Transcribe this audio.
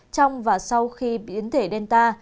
trong và sau khi biến thể delta